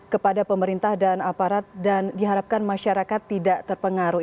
kepada pemerintah dan aparat dan diharapkan masyarakat tidak terpengaruh